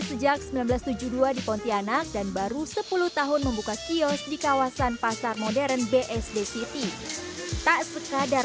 sejak seribu sembilan ratus tujuh puluh dua di pontianak dan baru sepuluh tahun membuka kios di kawasan pasar modern bsd city tak sekadar